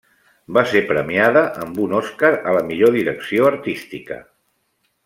Va ser premiada amb un Oscar a la millor direcció artística.